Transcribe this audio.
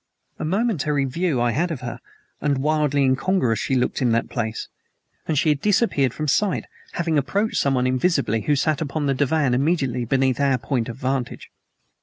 A momentary view I had of her and wildly incongruous she looked in that place and she had disappeared from sight, having approached someone invisible who sat upon the divan immediately beneath our point of vantage.